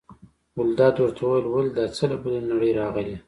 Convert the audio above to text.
ګلداد ورته وویل: ولې دا څه له بلې نړۍ راغلي.